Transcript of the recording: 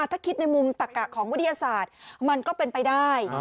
ถ้าคิดในมุมตักกะของวิทยาศาสตร์มันก็เป็นไปได้